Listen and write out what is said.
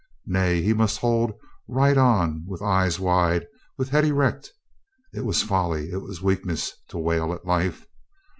Nay, he must hold right on with eyes wide, with head erect. .. It was folly, it was weakness, to wail at life.